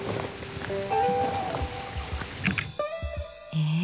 え